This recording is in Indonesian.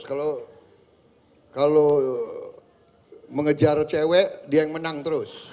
kalau mengejar cewek dia yang menang terus